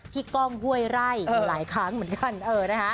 ก้องห้วยไร่หลายครั้งเหมือนกัน